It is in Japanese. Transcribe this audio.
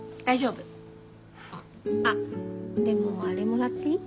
あっでもあれもらっていい？